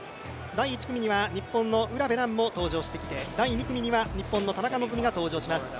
第１組には日本の卜部蘭も登場してきて第２組には日本の田中希実が登場します。